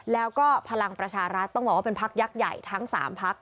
แล้วก็พลังประชารัฐต้องบอกว่าเป็นพักยักษ์ใหญ่ทั้ง๓พัก